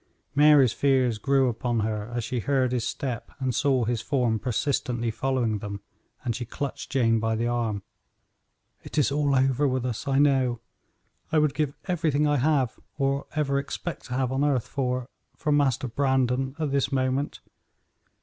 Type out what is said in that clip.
Mary's fears grew upon her as she heard his step and saw his form persistently following them, and she clutched Jane by the arm. "It is all over with us, I know. I would give everything I have or ever expect to have on earth for for Master Brandon at this moment."